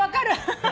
ハハハ！